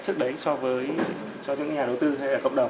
trước đấy so với cho những nhà đầu tư hay là cộng đồng